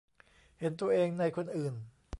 เห็นตัวเองในคนอื่น